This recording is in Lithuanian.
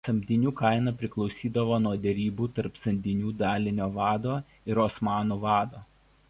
Samdinių kaina priklausydavo nuo derybų tarp samdinių dalinio vado ir osmanų vado.